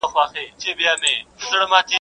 لوړ ځاى نه و، کښته زه نه کښېنستم.